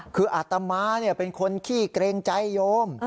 คืออาตมาเป็นคนขี้เกรงใจโยม